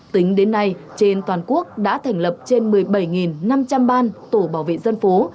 tính đến nay trên toàn quốc đã thành lập trên một mươi bảy năm trăm linh ban tổ bảo vệ dân phố